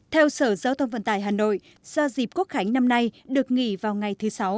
theo sở giao thông vận tải hà nội do dịp quốc khánh năm nay được nghỉ vào ngày thứ sáu